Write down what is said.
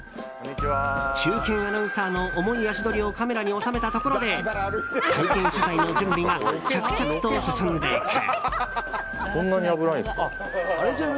中堅アナウンサーの重い足取りをカメラに収めたところで体験取材の準備が着々と進んでいく。